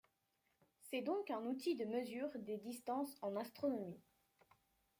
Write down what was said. C'est donc un outil de mesure des distances en astronomie.